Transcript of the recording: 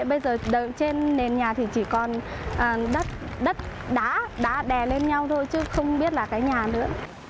bây giờ trên nền nhà thì chỉ còn đất đá đã đè lên nhau thôi chứ không biết là cái nhà nữa